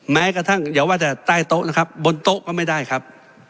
แม้กระทั่งอย่าว่าแต่ใต้โต๊ะนะครับบนโต๊ะก็ไม่ได้ครับ